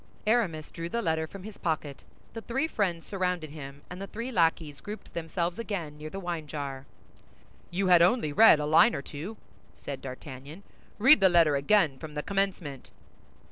Aramis drew the letter from his pocket; the three friends surrounded him, and the three lackeys grouped themselves again near the wine jar. "You had only read a line or two," said D'Artagnan; "read the letter again from the commencement."